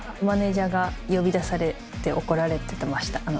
マネージャーが呼び出されて、怒られてました。